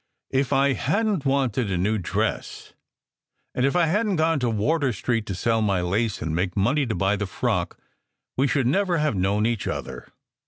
"If I hadn t wanted a new dress, and if I hadn t gone to Wardour Street to sell my lace and make money to buy the frock, we should never have known each other.